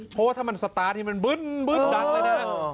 เพราะว่าถ้ามันสตาร์ทให้มันบึ้นดังเลยนะ